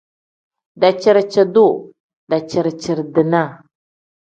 Daciri-ciri-duu pl: daciri-ciri-dinaa n.